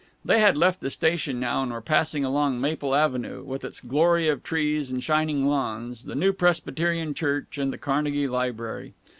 They had left the station, now, and were passing along Maple Avenue, with its glory of trees and shining lawns, the new Presbyterian church and the Carnegie Library.